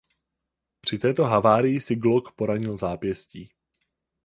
Při této havárii si Glock poranil zápěstí.